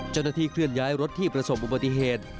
จัดหน้าที่เคลื่อนย้ายรถที่ประสงค์อุบัติเหตุ